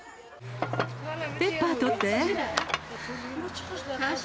ペッパー取って。